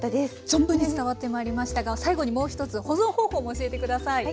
存分に伝わってまいりましたが最後にもう一つ保存方法も教えて下さい。